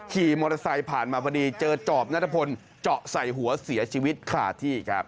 ขี่มอเตอร์ไซค์ผ่านมาพอดีเจอจอบนัทพลเจาะใส่หัวเสียชีวิตขาดที่ครับ